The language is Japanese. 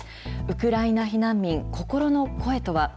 ウクライナ避難民、心の声とは？